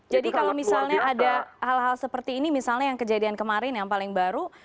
jadi kalau misalnya ada hal hal seperti ini misalnya yang kejadian kemarin yang paling baru